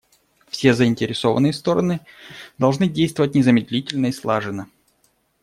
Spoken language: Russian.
Все заинтересованные стороны должны действовать незамедлительно и слаженно.